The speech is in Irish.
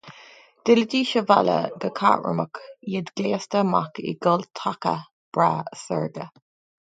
D'fhillidís abhaile go caithréimeach, iad gléasta amach i gcultacha breá serge.